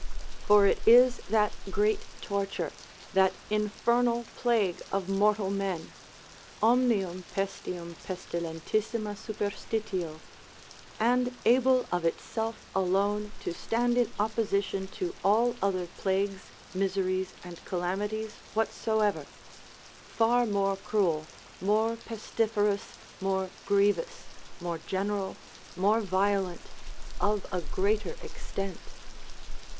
For it is that great torture, that infernal plague of mortal men, omnium pestium pestilentissima superstitio, and able of itself alone to stand in opposition to all other plagues, miseries and calamities whatsoever; far more cruel, more pestiferous, more grievous, more general, more violent, of a greater extent.